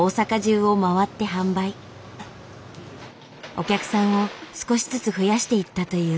お客さんを少しずつ増やしていったという。